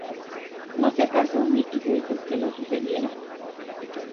No se casó ni tuvo hijos que lo sucedieran.